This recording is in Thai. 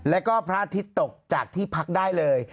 แล้วก็พระอาทิตย์ตกจากที่พักได้เลย